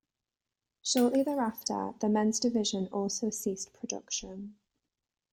Shortly thereafter, the men's division also ceased production.